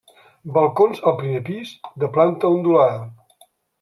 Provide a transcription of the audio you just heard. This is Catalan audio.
Balcons al primer pis, de planta ondulada.